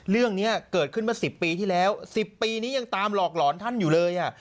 เรื่องนี้เกิดขึ้นมา๑๐ปีที่แล้ว๑๐ปีนี้ยังตามหลอกหลอนท่านอยู่เลย